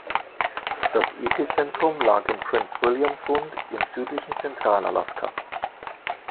Das Epizentrum lag im Prinz-William-Sund im südlichen Zentral-Alaska.